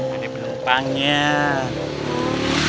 gak ada bener bener